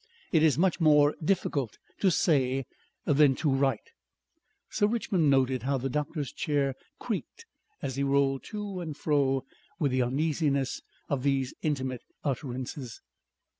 It is much more difficult to say than to write." Sir Richmond noted how the doctor's chair creaked as he rolled to and fro with the uneasiness of these intimate utterances.